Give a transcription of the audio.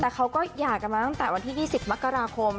แต่เขาก็หย่ากันมาตั้งแต่วันที่๒๐มกราคม